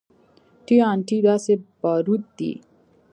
ټي ان ټي داسې باروت دي.